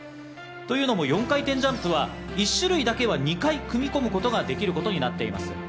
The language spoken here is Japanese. というのも４回転ジャンプは１種類だけは２回組み込むことができることになっています。